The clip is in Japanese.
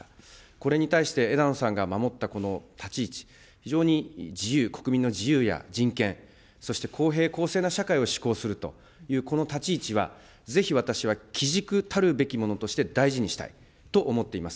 これに対して枝野さんが守ったこの立ち位置、非常に自由、国民の自由や人権、そして公平、公正な社会を施行するという、この立ち位置は、ぜひ私は基軸たるべきものとして大事にしたいと思っています。